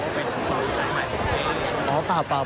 เป็นคนรู้ใจผิดไปแล้ว